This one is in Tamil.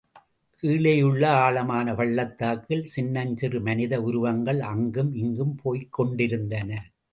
கீழேயுள்ள ஆழமான பள்ளத்தாக்கில் சின்னஞ்சிறிய மனித உருவங்கள் அங்கும் இங்கும் போய்க் கொண்டிருந்தன.